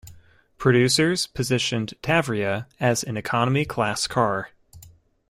Producers positioned Tavria as an economy-class car.